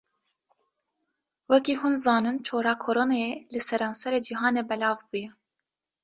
Wekî hûn zanin çora Koronayê li serenserê cihanê belav bûye.